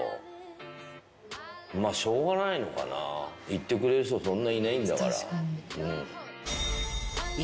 言ってくれる人そんないないんだから。